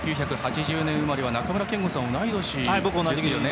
１９８０年生まれは中村憲剛さん、同い年ですよね。